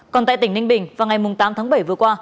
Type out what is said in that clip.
còn tại tỉnh ninh bình vào ngày tám tháng bảy vừa qua